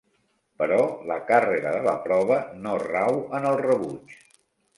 Però la càrrega de la prova no rau en el rebuig...